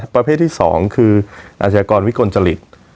ประเภทที่๒คืออาชญากรวิกลจริต